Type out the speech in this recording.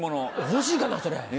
欲しいかなそれ。